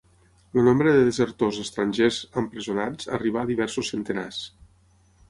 El nombre de «desertors» estrangers empresonats arribà a diversos centenars